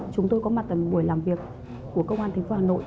chúng tôi có mặt tại một buổi làm việc của công an thành phố hà nội